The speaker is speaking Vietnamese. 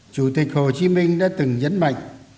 chủ tịch hồ chí minh đã từng nhấn mạnh